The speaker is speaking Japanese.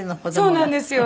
そうなんですよ！